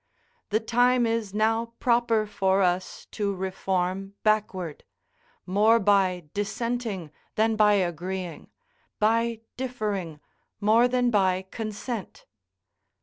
The time is now proper for us to reform backward; more by dissenting than by agreeing; by differing more than by consent.